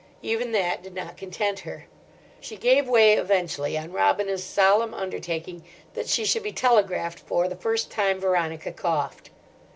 Even that did not content her. She gave way eventually on Robina's solemn undertaking that she should be telegraphed for the first time Veronica coughed.